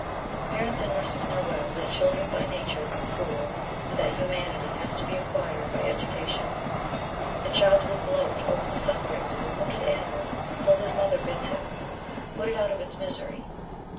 Parents and nurses know well that children by nature are cruel, and that humanity has to be acquired by education. A child will gloat over the sufferings of a wounded animal till his mother bids him put it out of its misery.